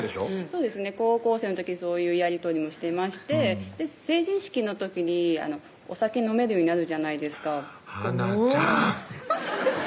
そうですね高校生の時にそういうやり取りもしてまして成人式の時にお酒飲めるようになるじゃないですかハナちゃん！